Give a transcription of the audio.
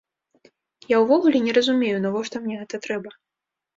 Я ўвогуле не разумею, навошта мне гэта трэба.